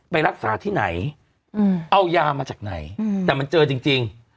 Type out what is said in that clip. ไปรักษาที่ไหนอืมเอายามาจากไหนอืมแต่มันเจอจริงจริง